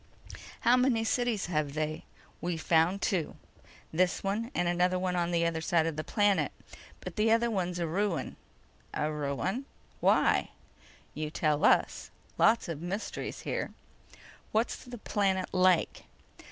"How many cities have they?" "We've found two. This one and another on the other side of the planet. But the other one's a ruin." "A ruin? Why?" "You tell us. Lots of mysteries here." "What's the planet like?"